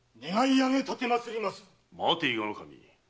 待て伊賀守。